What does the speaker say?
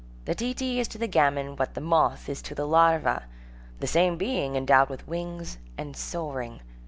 The titi is to the gamin what the moth is to the larva; the same being endowed with wings and soaring.